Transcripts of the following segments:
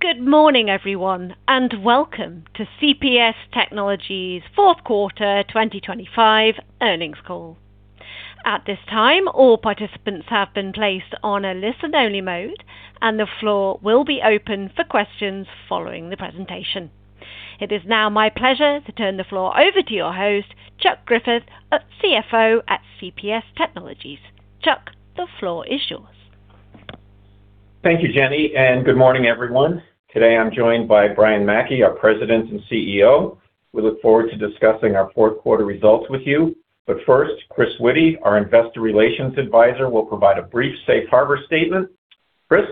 Good morning, everyone. Welcome to CPS Technologies' fourth quarter 2025 earnings call. At this time, all participants have been placed on a listen-only mode, and the floor will be open for questions following the presentation. It is now my pleasure to turn the floor over to your host, Chuck Griffith, CFO at CPS Technologies. Chuck, the floor is yours. Thank you, Jenny. Good morning, everyone. Today I am joined by Brian Mackey, our President and CEO. We look forward to discussing our fourth quarter results with you. First, Chris Witty, our Investor Relations Advisor, will provide a brief safe harbor statement. Chris.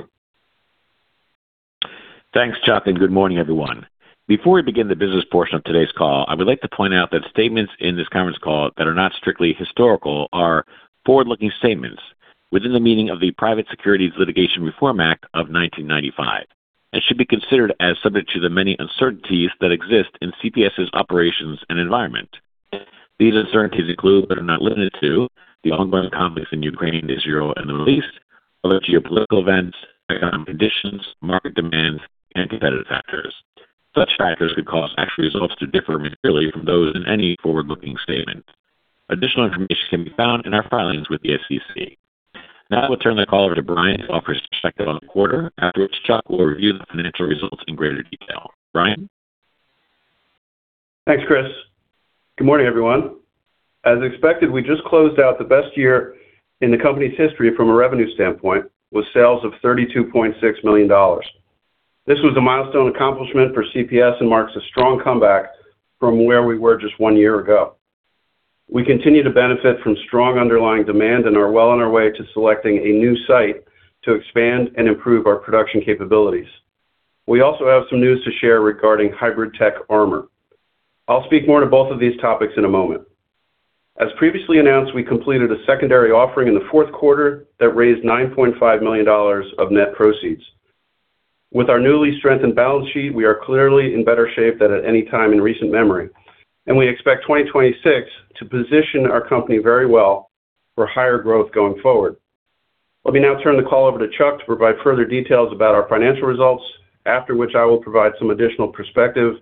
Thanks, Chuck. Good morning, everyone. Before we begin the business portion of today's call, I would like to point out that statements in this conference call that are not strictly historical are forward-looking statements within the meaning of the Private Securities Litigation Reform Act of 1995, and should be considered as subject to the many uncertainties that exist in CPS's operations and environment. These uncertainties include, but are not limited to, the ongoing conflicts in Ukraine, Israel, and the Middle East, other geopolitical events, economic conditions, market demands, and competitive factors. Such factors could cause actual results to differ materially from those in any forward-looking statement. Additional information can be found in our filings with the SEC. I will turn the call over to Brian to offer his perspective on the quarter. After which, Chuck will review the financial results in greater detail. Brian. Thanks, Chris. Good morning, everyone. As expected, we just closed out the best year in the company's history from a revenue standpoint, with sales of $32.6 million. This was a milestone accomplishment for CPS and marks a strong comeback from where we were just one year ago. We continue to benefit from strong underlying demand and are well on our way to selecting a new site to expand and improve our production capabilities. We also have some news to share regarding HybridTech Armor. I'll speak more to both of these topics in a moment. As previously announced, we completed a secondary offering in the fourth quarter that raised $9.5 million of net proceeds. With our newly strengthened balance sheet, we are clearly in better shape than at any time in recent memory, and we expect 2026 to position our company very well for higher growth going forward. Let me now turn the call over to Chuck to provide further details about our financial results, after which I will provide some additional perspective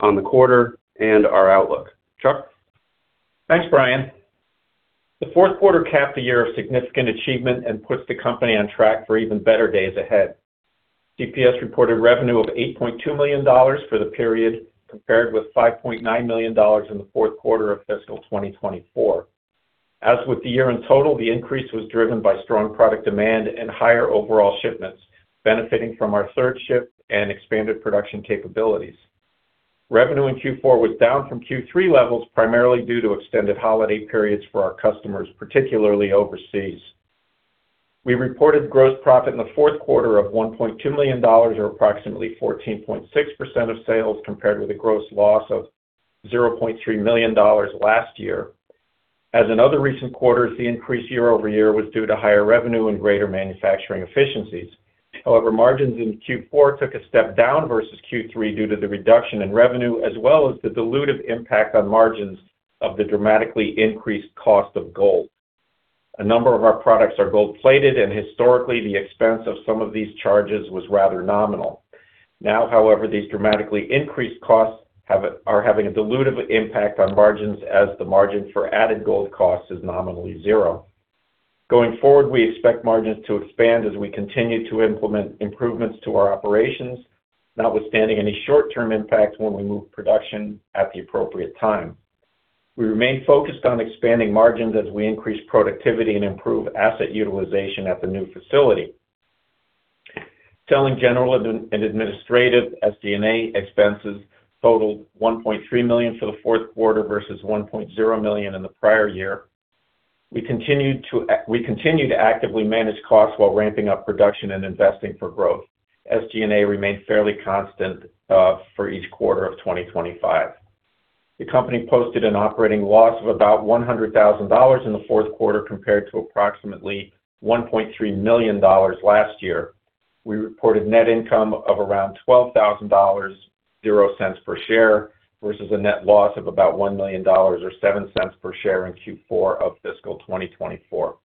on the quarter and our outlook. Chuck. Thanks, Brian. The fourth quarter capped a year of significant achievement and puts the company on track for even better days ahead. CPS reported revenue of $8.2 million for the period, compared with $5.9 million in the fourth quarter of fiscal 2024. As with the year in total, the increase was driven by strong product demand and higher overall shipments, benefiting from our third shift and expanded production capabilities. Revenue in Q4 was down from Q3 levels primarily due to extended holiday periods for our customers, particularly overseas. We reported gross profit in the fourth quarter of $1.2 million, or approximately 14.6% of sales, compared with a gross loss of $0.3 million last year. As in other recent quarters, the increase year-over-year was due to higher revenue and greater manufacturing efficiencies. However, margins in Q4 took a step down versus Q3 due to the reduction in revenue as well as the dilutive impact on margins of the dramatically increased cost of gold. A number of our products are gold-plated, and historically, the expense of some of these charges was rather nominal. Now, however, these dramatically increased costs are having a dilutive impact on margins as the margin for added gold cost is nominally zero. Going forward, we expect margins to expand as we continue to implement improvements to our operations, notwithstanding any short-term impact when we move production at the appropriate time. We remain focused on expanding margins as we increase productivity and improve asset utilization at the new facility. Selling, general, and administrative SG&A expenses totaled $1.3 million for the fourth quarter versus $1.0 million in the prior year. We continue to actively manage costs while ramping up production and investing for growth. SG&A remained fairly constant for each quarter of 2025. The company posted an operating loss of about $100,000 in the fourth quarter compared to approximately $1.3 million last year. We reported net income of around $12,000, $0.00 per share, versus a net loss of about $1 million or $0.07 per share in Q4 of fiscal 2024.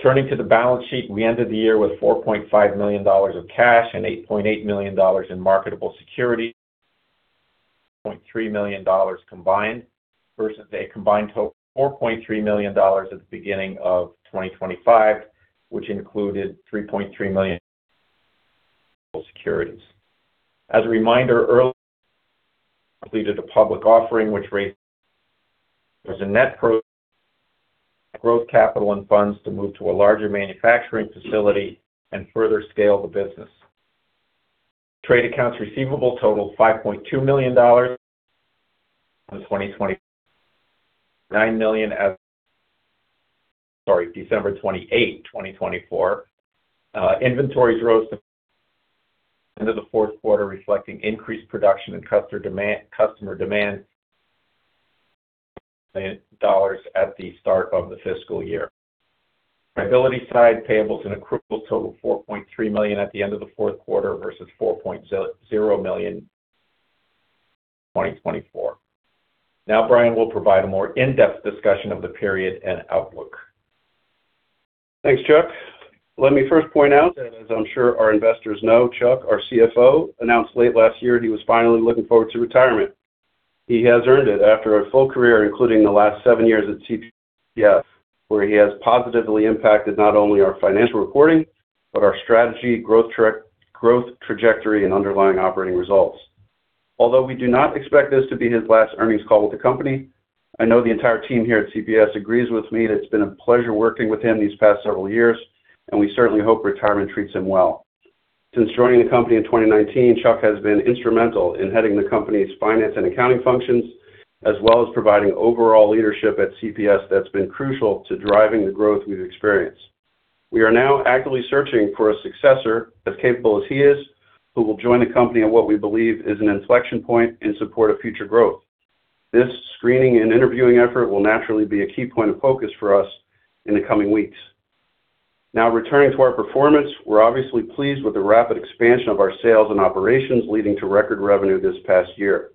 Turning to the balance sheet, we ended the year with $4.5 million of cash and $8.8 million in marketable securities for a combined total of $4.3 million combined versus a combined total of $4.3 million at the beginning of 2025, which included $3.3 million in marketable securities. As a reminder, earlier in the year, we completed a public offering which raised growth capital and funds to move to a larger manufacturing facility and further scale the business. Trade accounts receivable totaled $5.2 million at the end of 2024, compared to $4.9 million, sorry, December 28, 2024. Inventories rose to $4.5 million at the end of the fourth quarter, reflecting increased production and customer demand, compared to $3.5 million at the start of the fiscal year. Liability side, payables and accruals totaled $4.3 million at the end of the fourth quarter versus $4.0 million in fiscal 2024. Brian will provide a more in-depth discussion of the period and outlook. Thanks, Chuck. Let me first point out that as I'm sure our investors know, Chuck, our CFO, announced late last year he was finally looking forward to retirement. He has earned it after a full career, including the last seven years at CPS, where he has positively impacted not only our financial reporting, but our strategy, growth trajectory, and underlying operating results. We do not expect this to be his last earnings call with the company, I know the entire team here at CPS agrees with me that it's been a pleasure working with him these past several years, and we certainly hope retirement treats him well. Since joining the company in 2019, Chuck has been instrumental in heading the company's finance and accounting functions, as well as providing overall leadership at CPS that's been crucial to driving the growth we've experienced. We are now actively searching for a successor as capable as he is, who will join the company at what we believe is an inflection point in support of future growth. This screening and interviewing effort will naturally be a key point of focus for us in the coming weeks. Returning to our performance, we're obviously pleased with the rapid expansion of our sales and operations leading to record revenue this past year.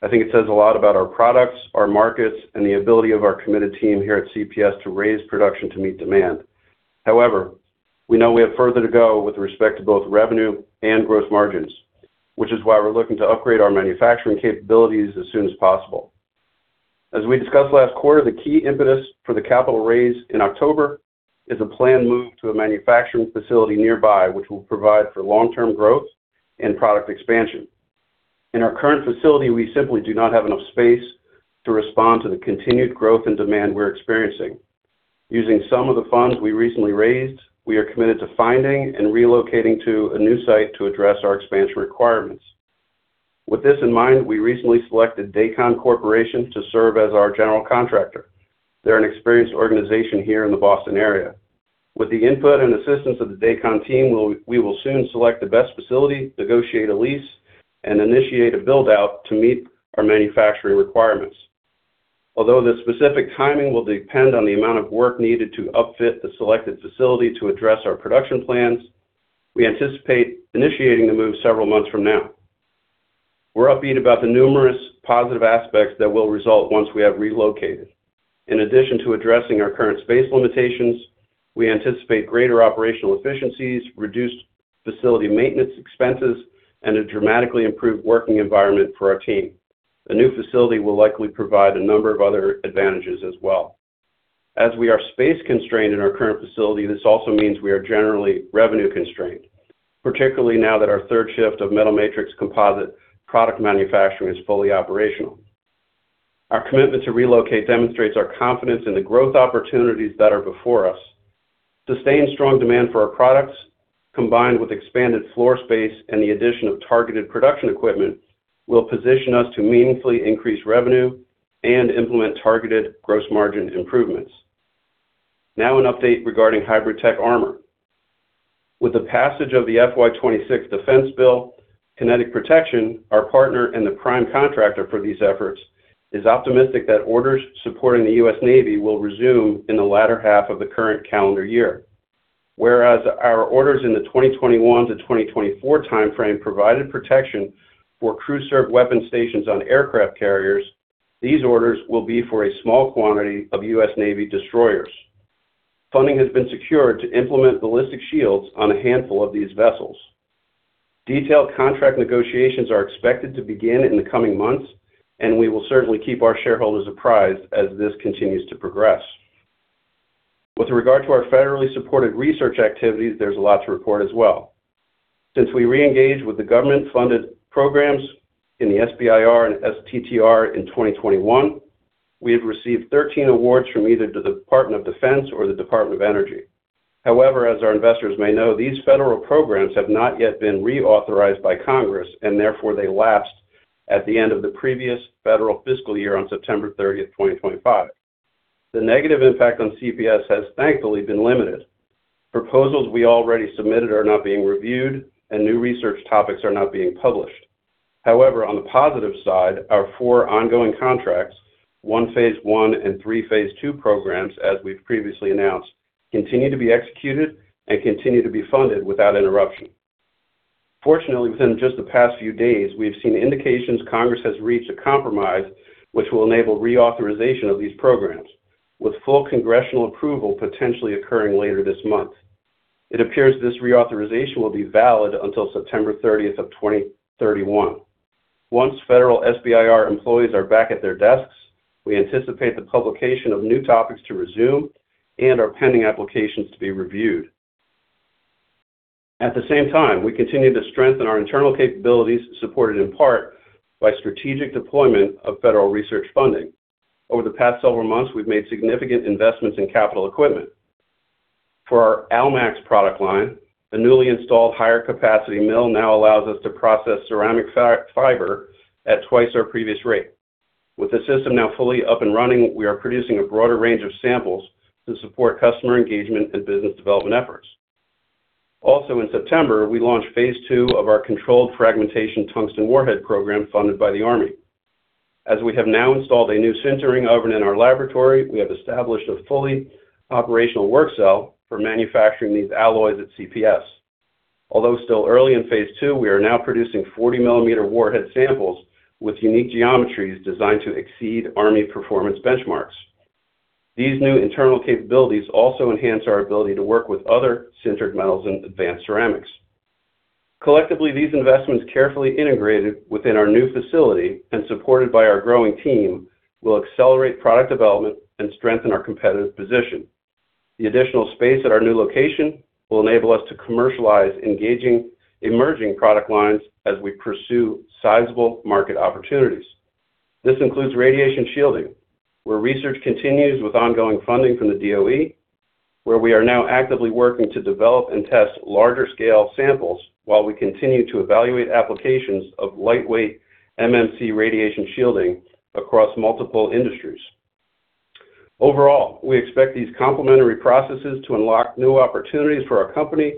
I think it says a lot about our products, our markets, and the ability of our committed team here at CPS to raise production to meet demand. We know we have further to go with respect to both revenue and gross margins, which is why we're looking to upgrade our manufacturing capabilities as soon as possible. As we discussed last quarter, the key impetus for the capital raise in October is a planned move to a manufacturing facility nearby, which will provide for long-term growth and product expansion. In our current facility, we simply do not have enough space to respond to the continued growth and demand we're experiencing. Using some of the funds we recently raised, we are committed to finding and relocating to a new site to address our expansion requirements. With this in mind, we recently selected Dacon Corporation to serve as our general contractor. They're an experienced organization here in the Boston area. With the input and assistance of the Dacon team, we will soon select the best facility, negotiate a lease, and initiate a build-out to meet our manufacturing requirements. Although the specific timing will depend on the amount of work needed to upfit the selected facility to address our production plans, we anticipate initiating the move several months from now. We're upbeat about the numerous positive aspects that will result once we have relocated. In addition to addressing our current space limitations, we anticipate greater operational efficiencies, reduced facility maintenance expenses, and a dramatically improved working environment for our team. The new facility will likely provide a number of other advantages as well. As we are space-constrained in our current facility, this also means we are generally revenue-constrained, particularly now that our third shift of metal matrix composite product manufacturing is fully operational. Our commitment to relocate demonstrates our confidence in the growth opportunities that are before us. Sustained strong demand for our products, combined with expanded floor space and the addition of targeted production equipment, will position us to meaningfully increase revenue and implement targeted gross margin improvements. Now an update regarding HybridTech Armor. With the passage of the FY 2026 Defense Bill, Kinetic Protection, our partner and the prime contractor for these efforts, is optimistic that orders supporting the U.S. Navy will resume in the latter half of the current calendar year. Whereas our orders in the 2021 to 2024 timeframe provided protection for crew served weapon stations on aircraft carriers, these orders will be for a small quantity of U.S. Navy destroyers. Funding has been secured to implement ballistic shields on a handful of these vessels. Detailed contract negotiations are expected to begin in the coming months, and we will certainly keep our shareholders apprised as this continues to progress. With regard to our federally supported research activities, there's a lot to report as well. Since we re-engaged with the government-funded programs in the SBIR and STTR in 2021, we have received 13 awards from either the Department of Defense or the Department of Energy. As our investors may know, these federal programs have not yet been reauthorized by Congress, and therefore they lapsed at the end of the previous federal fiscal year on September 30th, 2025. The negative impact on CPS has thankfully been limited. Proposals we already submitted are not being reviewed and new research topics are not being published. On the positive side, our four ongoing contracts, one Phase I and three Phase II programs, as we've previously announced, continue to be executed and continue to be funded without interruption. Fortunately, within just the past few days, we have seen indications Congress has reached a compromise which will enable reauthorization of these programs, with full congressional approval potentially occurring later this month. It appears this reauthorization will be valid until September 30th of 2031. Once federal SBIR employees are back at their desks, we anticipate the publication of new topics to resume and our pending applications to be reviewed. At the same time, we continue to strengthen our internal capabilities, supported in part by strategic deployment of federal research funding. Over the past several months, we've made significant investments in capital equipment. For our AlMax product line, the newly installed higher capacity mill now allows us to process ceramic fiber at twice our previous rate. With the system now fully up and running, we are producing a broader range of samples to support customer engagement and business development efforts. In September, we launched Phase II of our controlled fragmentation tungsten warhead program funded by the Army. As we have now installed a new sintering oven in our laboratory, we have established a fully operational work cell for manufacturing these alloys at CPS. Although still early in Phase II, we are now producing 40 millimeter warhead samples with unique geometries designed to exceed Army performance benchmarks. These new internal capabilities also enhance our ability to work with other sintered metals and advanced ceramics. Collectively, these investments carefully integrated within our new facility and supported by our growing team will accelerate product development and strengthen our competitive position. The additional space at our new location will enable us to commercialize emerging product lines as we pursue sizable market opportunities. This includes radiation shielding, where research continues with ongoing funding from the DOE, where we are now actively working to develop and test larger scale samples while we continue to evaluate applications of lightweight MMC radiation shielding across multiple industries. Overall, we expect these complementary processes to unlock new opportunities for our company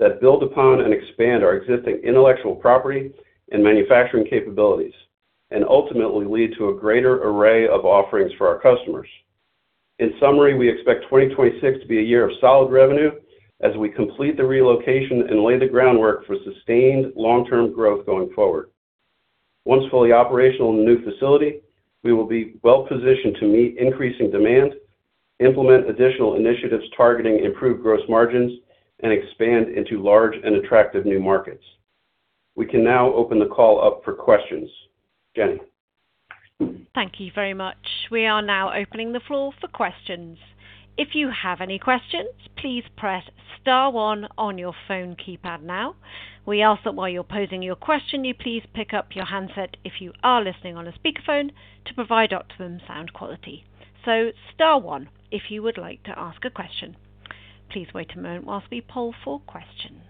that build upon and expand our existing intellectual property and manufacturing capabilities, and ultimately lead to a greater array of offerings for our customers. In summary, we expect 2026 to be a year of solid revenue as we complete the relocation and lay the groundwork for sustained long-term growth going forward. Once fully operational in the new facility, we will be well positioned to meet increasing demand, implement additional initiatives targeting improved gross margins, and expand into large and attractive new markets. We can now open the call up for questions. Jenny? Thank you very much. We are now opening the floor for questions. If you have any questions, please press star one on your phone keypad now. We ask that while you're posing your question, you please pick up your handset if you are listening on a speakerphone to provide optimum sound quality. Star one if you would like to ask a question. Please wait a moment while we poll for questions.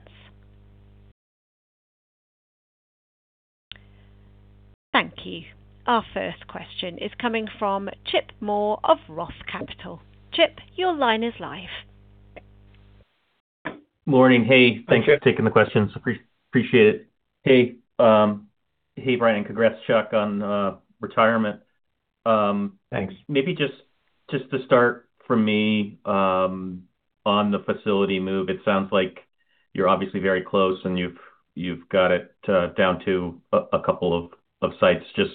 Thank you. Our first question is coming from Chip Moore of ROTH Capital. Chip, your line is live. Morning. Hey. Hey, Chip. Thanks for taking the questions. Appreciate it. Hey, Brian. Congrats, Chuck, on retirement. Thanks. Maybe just to start for me, on the facility move, it sounds like you're obviously very close, and you've got it down to a couple of sites. Just,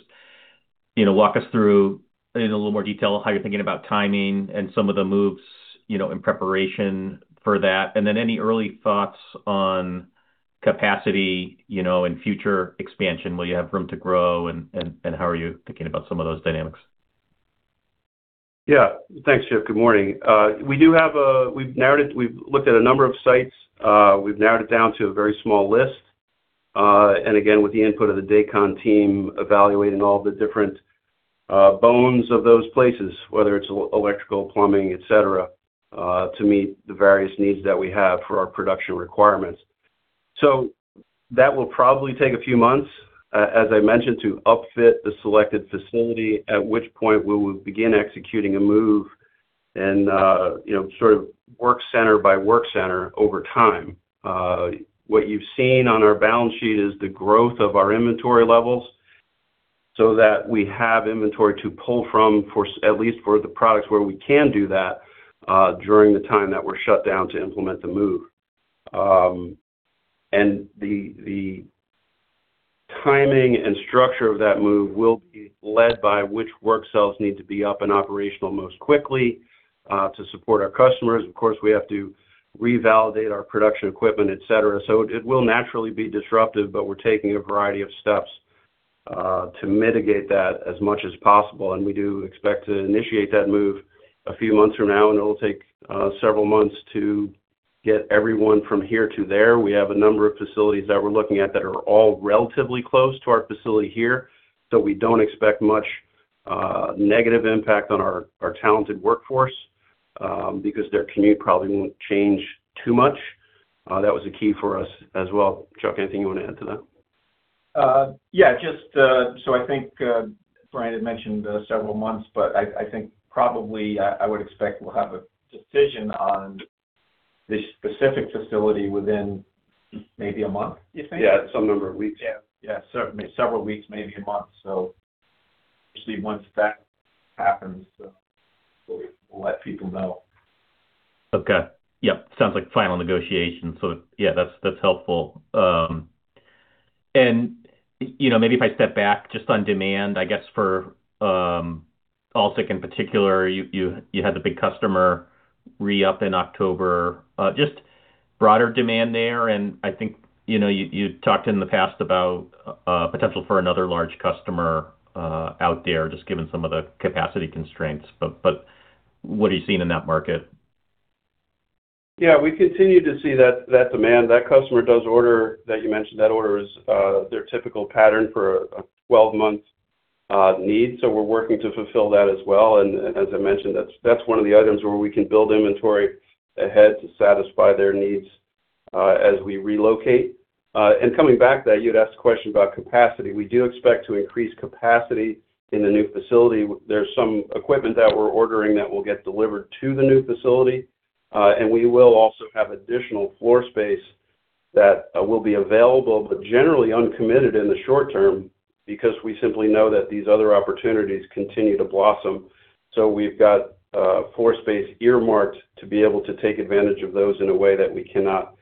you know, walk us through in a little more detail how you're thinking about timing and some of the moves, you know, in preparation for that. Then any early thoughts on capacity, you know, and future expansion? Will you have room to grow, and how are you thinking about some of those dynamics? Yeah. Thanks, Chip. Good morning. We've narrowed it. We've looked at a number of sites. We've narrowed it down to a very small list, and again, with the input of the Dacon team evaluating all the different bones of those places, whether it's electrical, plumbing, et cetera, to meet the various needs that we have for our production requirements. That will probably take a few months, as I mentioned, to upfit the selected facility, at which point we will begin executing a move and, you know, sort of work center by work center over time. What you've seen on our balance sheet is the growth of our inventory levels so that we have inventory to pull from for at least for the products where we can do that, during the time that we're shut down to implement the move. The timing and structure of that move will be led by which work cells need to be up and operational most quickly, to support our customers. Of course, we have to revalidate our production equipment, et cetera. It will naturally be disruptive, but we're taking a variety of steps, to mitigate that as much as possible, and we do expect to initiate that move a few months from now, and it'll take several months to get everyone from here to there. We have a number of facilities that we're looking at that are all relatively close to our facility here, so we don't expect much negative impact on our talented workforce, because their commute probably won't change too much. That was a key for us as well. Chuck, anything you wanna add to that? Yeah, just, I think Brian had mentioned several months, but I think probably I would expect we'll have a decision on the specific facility within maybe a month, you think? Yeah, some number of weeks. Yeah. Yeah. Several weeks, maybe a month. Obviously once that happens, we'll let people know. Okay. Yeah. Sounds like final negotiation, so yeah, that's helpful. You know, maybe if I step back just on demand, I guess for AlSiC in particular, you had the big customer re-up in October. Just broader demand there, and I think, you know, you talked in the past about potential for another large customer out there, just given some of the capacity constraints, but what are you seeing in that market? Yeah. We continue to see that demand. That customer does order, that you mentioned, that order is their typical pattern for a 12-month need. We're working to fulfill that as well. As I mentioned, that's one of the items where we can build inventory ahead to satisfy their needs as we relocate. Coming back to that, you'd asked a question about capacity. We do expect to increase capacity in the new facility. There's some equipment that we're ordering that will get delivered to the new facility, and we will also have additional floor space that will be available but generally uncommitted in the short term. We simply know that these other opportunities continue to blossom. We've got floor space earmarked to be able to take advantage of those in a way that we cannot,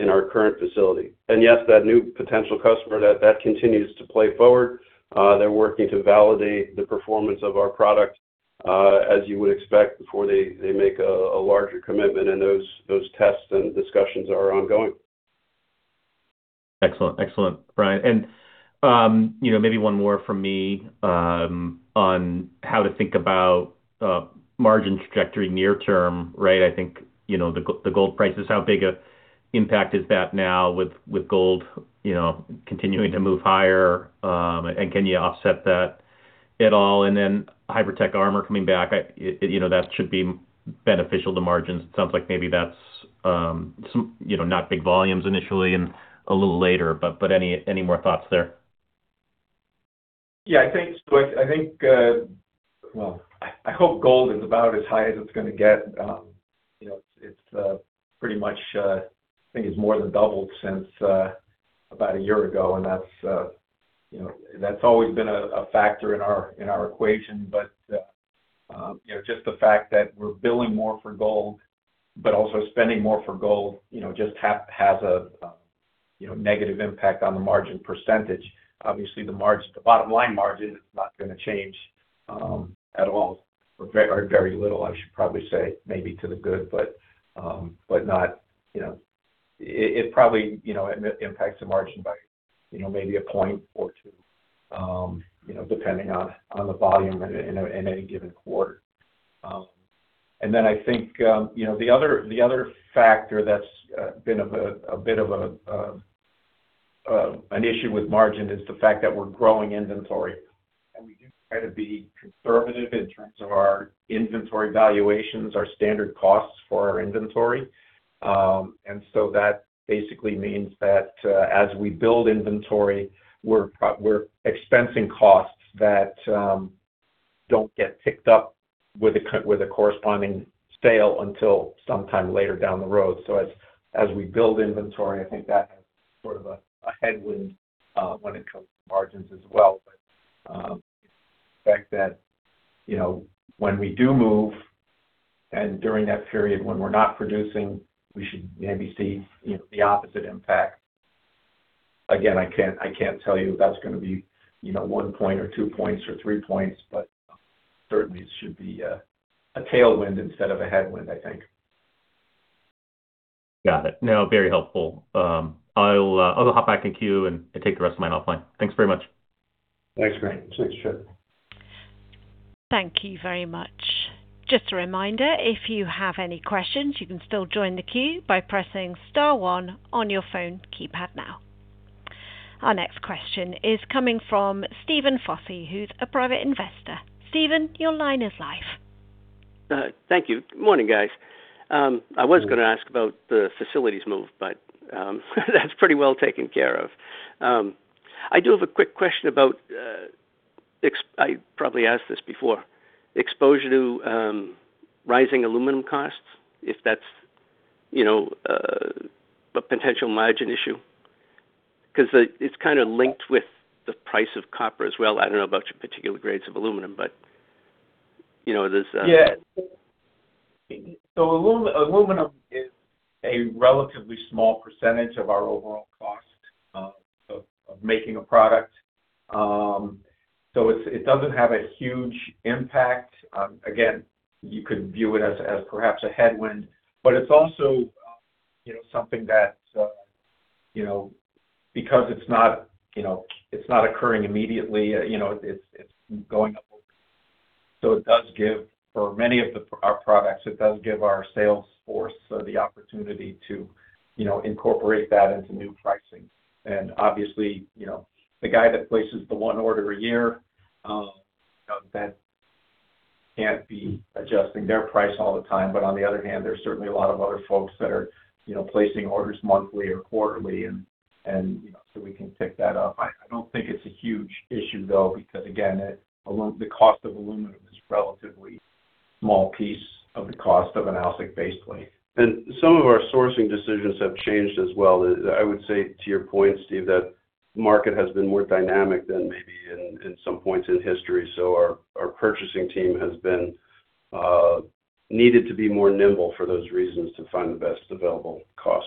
in our current facility. Yes, that new potential customer, that continues to play forward. They're working to validate the performance of our product, as you would expect before they make a larger commitment, and those tests and discussions are ongoing. Excellent. Excellent, Brian. You know, maybe one more from me, on how to think about margin trajectory near term, right? I think, you know, the gold prices, how big a impact is that now with gold, you know, continuing to move higher, can you offset that at all? HybridTech Armor coming back, you know, that should be beneficial to margins. It sounds like maybe that's some, you know, not big volumes initially and a little later, but any more thoughts there? Yeah, I think so. I think, well, I hope gold is about as high as it's gonna get. You know, it's pretty much, I think it's more than doubled since about a year ago, and that's, you know, that's always been a factor in our, in our equation. You know, just the fact that we're billing more for gold but also spending more for gold, you know, just has a, you know, negative impact on the margin percentage. Obviously the margin, the bottom line margin is not gonna change at all or very little, I should probably say, maybe to the good, but not, you know... It probably, you know, impacts the margin by, you know, maybe a point or two, you know, depending on the volume in a given quarter. Then I think, you know, the other, the other factor that's been a bit, a bit of a, an issue with margin is the fact that we're growing inventory and we do try to be conservative in terms of our inventory valuations, our standard costs for our inventory. That basically means that, as we build inventory, we're expensing costs that don't get picked up with a corresponding sale until sometime later down the road. As we build inventory, I think that has sort of a headwind, when it comes to margins as well. The fact that, you know, when we do move and during that period when we're not producing, we should maybe see, you know, the opposite impact. I can't tell you if that's gonna be, you know, one point or two points or three points, but certainly it should be a tailwind instead of a headwind, I think. Got it. Very helpful. I'll hop back in queue and take the rest of my offline. Thanks very much. Thanks. Thank you very much. Just a reminder, if you have any questions, you can still join the queue by pressing star one on your phone keypad now. Our next question is coming from Steven Fossey, who's a private investor. Steven, your line is live. Thank you. Morning, guys. I was gonna ask about the facilities move, but that's pretty well taken care of. I do have a quick question about. I probably asked this before. Exposure to rising aluminum costs, if that's, you know, a potential margin issue. Cause it's kinda linked with the price of copper as well. I don't know about your particular grades of aluminum, but, you know, there's. Yeah. Aluminum is a relatively small percentage of our overall cost of making a product. It's, it doesn't have a huge impact. Again, you could view it as perhaps a headwind, but it's also, you know, something that, you know, because it's not, you know, occurring immediately, you know, it's going up, it does give for many of our products, it does give our sales force the opportunity to, you know, incorporate that into new pricing. Obviously, you know, the guy that places the 1 order a year, you know, that can't be adjusting their price all the time. On the other hand, there's certainly a lot of other folks that are, you know, placing orders monthly or quarterly, you know, we can pick that up. I don't think it's a huge issue though, because again, the cost of aluminum is relatively small piece of the cost of an AlSiC base plate. Some of our sourcing decisions have changed as well. I would say to your point, Steve, that market has been more dynamic than maybe in some points in history. Our purchasing team has been needed to be more nimble for those reasons to find the best available cost.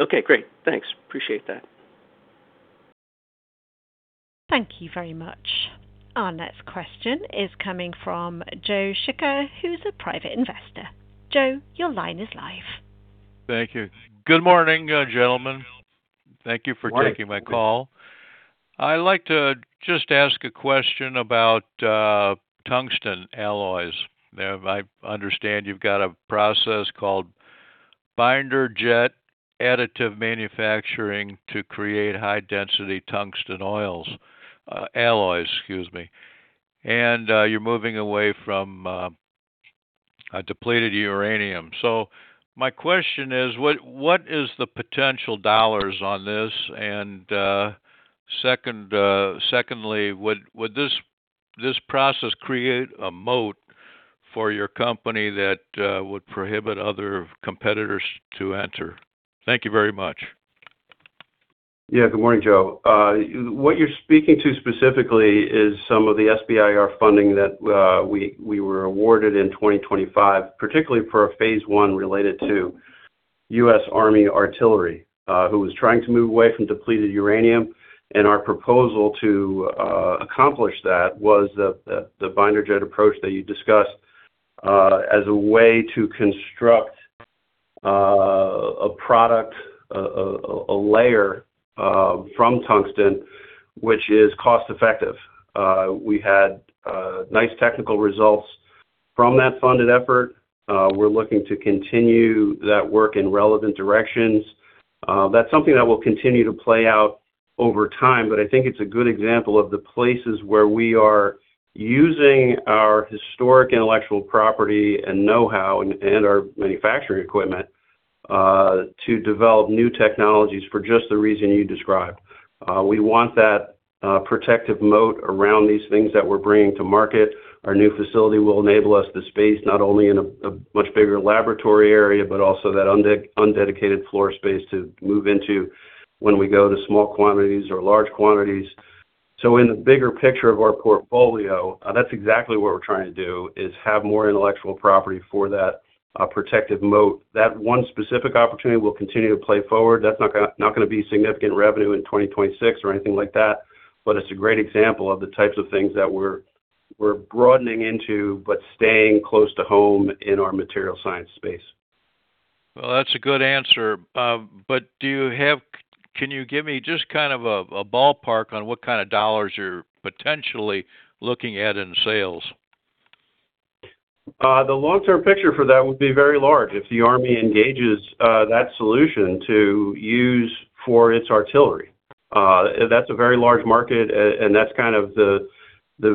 Okay, great. Thanks. Appreciate that. Thank you very much. Our next question is coming from Joe Schicker, who's a private investor. Joe, your line is live. Thank you. Good morning, gentlemen. Good morning. Thank you for taking my call. I'd like to just ask a question about tungsten alloys. Now, I understand you've got a process called binder jet additive manufacturing to create high density tungsten alloys, excuse me. You're moving away from depleted uranium. My question is, what is the potential dollars on this and secondly, would this process create a moat for your company that would prohibit other competitors to enter? Thank you very much. Yeah. Good morning, Joe. What you're speaking to specifically is some of the SBIR funding that we were awarded in 2025, particularly for a Phase I related to U.S. Army artillery, who was trying to move away from depleted uranium. Our proposal to accomplish that was the binder jet approach that you discussed, as a way to construct a product, a layer, from tungsten, which is cost-effective. We had nice technical results from that funded effort. We're looking to continue that work in relevant directions. That's something that will continue to play out over time, but I think it's a good example of the places where we are using our historic intellectual property and know-how and our manufacturing equipment to develop new technologies for just the reason you described. We want that protective moat around these things that we're bringing to market. Our new facility will enable us the space not only in a much bigger laboratory area, but also that undedicated floor space to move into when we go to small quantities or large quantities. In the bigger picture of our portfolio, that's exactly what we're trying to do, is have more intellectual property for that protective moat. That one specific opportunity will continue to play forward. That's not gonna be significant revenue in 2026 or anything like that, but it's a great example of the types of things that we're broadening into, but staying close to home in our material science space. Well, that's a good answer. Can you give me just kind of a ballpark on what kind of dollars you're potentially looking at in sales? The long-term picture for that would be very large if the Army engages that solution to use for its artillery. That's a very large market, and that's kind of the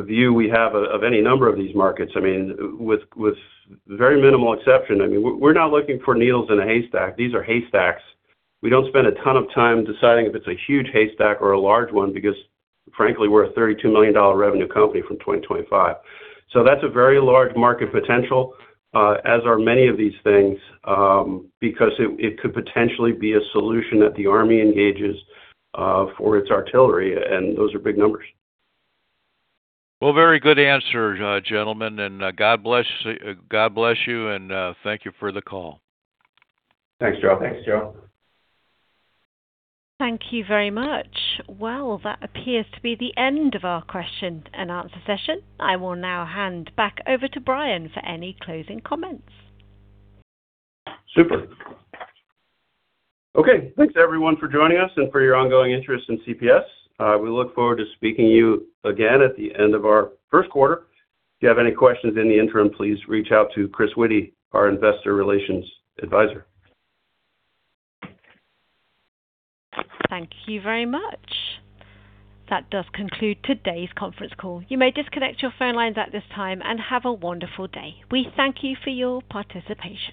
view we have of any number of these markets. I mean, with very minimal exception. I mean, we're not looking for needles in a haystack. These are haystacks. We don't spend a ton of time deciding if it's a huge haystack or a large one, because frankly, we're a $32 million revenue company from 2025. That's a very large market potential, as are many of these things, because it could potentially be a solution that the Army engages for its artillery, and those are big numbers. Well, very good answer, gentlemen, and, God bless, God bless you, and, thank you for the call. Thanks, Joe. Thanks, Joe. Thank you very much. Well, that appears to be the end of our question and answer session. I will now hand back over to Brian for any closing comments. Super. Okay. Thanks everyone for joining us and for your ongoing interest in CPS. We look forward to speaking to you again at the end of our first quarter. If you have any questions in the interim, please reach out to Chris Witty, our Investor Relations Advisor. Thank you very much. That does conclude today's conference call. You may disconnect your phone lines at this time and have a wonderful day. We thank you for your participation.